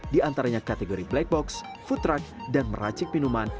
di antaranya kategori black box food truck dan meracik minuman